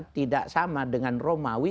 tidak sama dengan romawi